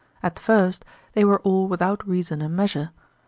At first, they were all without reason and measure.